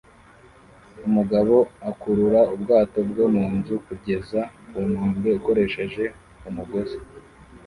Umugabo akurura ubwato bwo munzu kugeza ku nkombe akoresheje umugozi